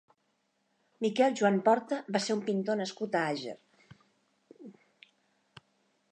Miquel Joan Porta va ser un pintor nascut a Àger.